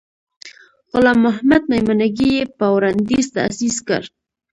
غلام محمد میمنګي یې په وړاندیز تأسیس کړ.